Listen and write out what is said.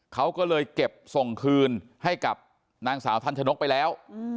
เขาก็เลยเก็บส่งคืนให้กับนางสาวทันชนกไปแล้ว